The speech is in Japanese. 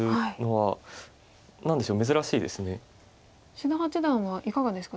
志田八段はいかがですか？